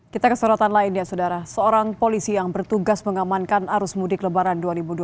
kita ke sorotan lainnya saudara seorang polisi yang bertugas mengamankan arus mudik lebaran dua ribu dua puluh